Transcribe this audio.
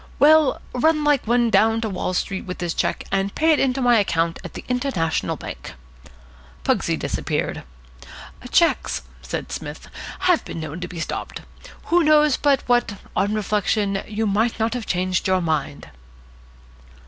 "Well, run like one down to Wall Street with this cheque, and pay it in to my account at the International Bank." Pugsy disappeared. "Cheques," said Psmith, "have been known to be stopped. Who knows but what, on reflection, you might not have changed your mind?"